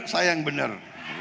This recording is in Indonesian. saya yang benar